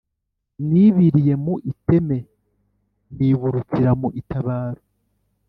nibiliye mu iteme niburukira mu itabaro,